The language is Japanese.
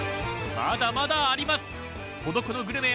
まだまだあります！